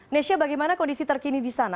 nesya bagaimana kondisi terkini di sana